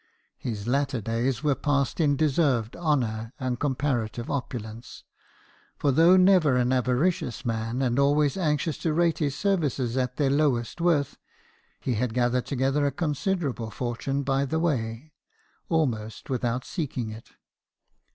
His later days were passed in deserved honour and comparative opulence ; for though never an avaricious man, and always anxious to rate his services at their lowest worth, he had gathered together a considerable fortune by the way, almost without seeking it.